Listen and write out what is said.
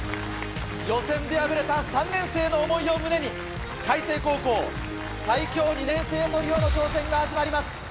予選で敗れた３年生の思いを胸に開成高校最強２年生トリオの挑戦が始まります。